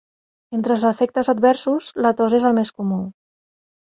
Entre els efectes adversos, la tos és el més comú.